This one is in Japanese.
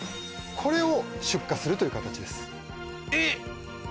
これを出荷するという形ですえっ？